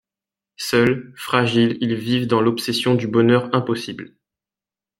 Seuls, fragiles ils vivent dans l'obsession du bonheur impossible.